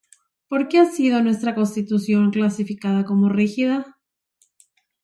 ¿Por qué ha sido nuestra Constitución clasificada como “rígida”?